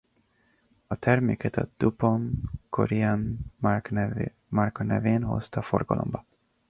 A terméket a DuPont Corian márkanéven hozta forgalomba.